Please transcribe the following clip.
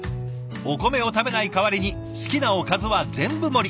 お米を食べない代わりに好きなおかずは全部盛り！